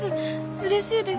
うれしいです。